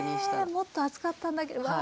もっと厚かったんだけどわあ